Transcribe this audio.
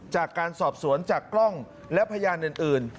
จากการสอบสวนจากกล้องและพยานอื่น